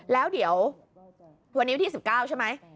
แล้วเดี๋ยววันนี้วันที่๑๙ใช่ไหม